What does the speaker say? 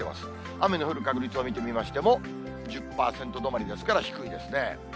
雨の降る確率を見てみましても、１０％止まりですから低いですね。